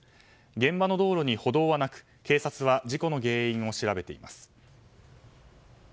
現場の道路に歩道はなく警察は事故の原因を調べています。